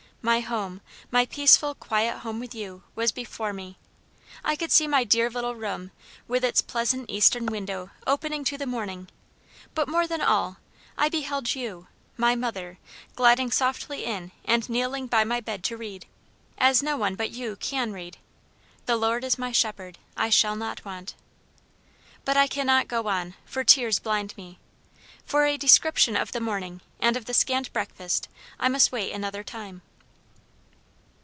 My home, my peaceful, quiet home with you, was before me. I could see my dear little room, with its pleasant eastern window opening to the morning; but more than all, I beheld YOU, my mother, gliding softly in and kneeling by my bed to read, as no one but you CAN read, 'The Lord is my shepherd, I shall not want.' But I cannot go on, for tears blind me. For a description of the morning, and of the scant breakfast, I must wait until another time.